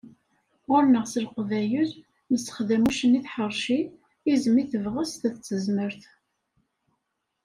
Ɣur-neγ s Leqbayel, nessexdam uccen i tḥerci, izem i tebγest d tezmert.